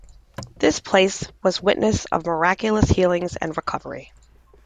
This place was witness of miraculous healings and recovery.